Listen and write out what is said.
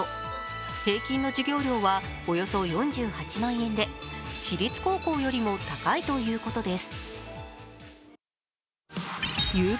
平均の授業料はおよそ４８万円で私立高校よりも高いということです。